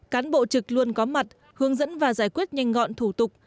cán bộ trực luôn có mặt hướng dẫn và giải quyết nhanh gọn thủ tục